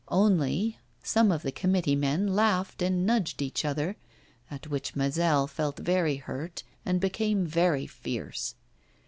Only, some of the committee men laughed and nudged each other, at which Mazel felt very hurt, and became very fierce.